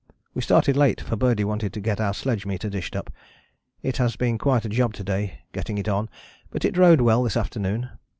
We started late for Birdie wanted to get our sledge meter dished up: it has been quite a job to day getting it on, but it rode well this afternoon.